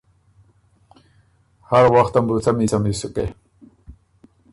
هر وختم بُو څمی څمی سُکې۔